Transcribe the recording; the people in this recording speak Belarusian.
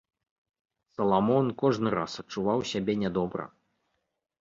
Саламон кожны раз адчуваў сябе нядобра.